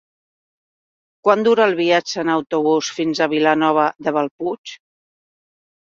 Quant dura el viatge en autobús fins a Vilanova de Bellpuig?